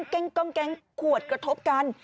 กองแกงขวดกระทบกัน